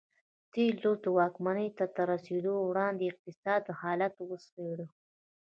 تېر لوست د واکمنۍ ته تر رسېدو وړاندې اقتصادي حالت وڅېړه.